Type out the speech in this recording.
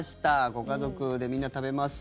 ご家族でみんな食べます。